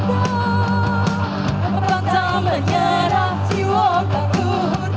memperkontak menyerah jiwa tak luhur